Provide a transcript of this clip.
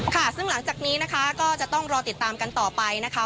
ค่ะซึ่งหลังจากนี้นะคะก็จะต้องรอติดตามกันต่อไปนะคะ